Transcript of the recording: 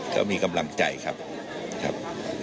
ก็มีกำลังใจครับครับ